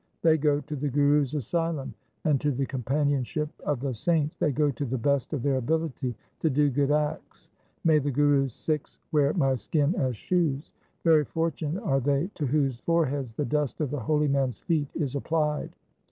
They go to the Guru's asylum and to the companionship of the saints They go to the best of their ability to do good acts. May the Guru's Sikhs wear my skin as shoes ! Very fortunate are they to whose foreheads the dust of the holy man's feet is applied.